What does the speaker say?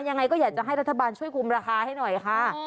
ยังไงก็อยากจะให้รัฐบาลช่วยคุมราคาให้หน่อยค่ะ